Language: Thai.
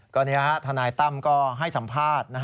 กรณีแล้วธนายตั้มให้สัมภาษณ์